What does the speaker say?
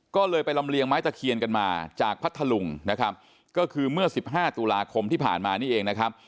ก็เลยไปลำเลียงไม้ตะเคียนกันมาจากพัทธลุงนะครับก็คือเมื่อสิบห้าตุลาคมที่ผ่านมานี่เองนะครับ